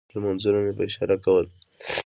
لمونځونه مې په اشارې کول.